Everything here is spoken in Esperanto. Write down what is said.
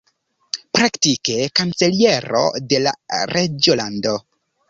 Praktike kanceliero de la reĝolando.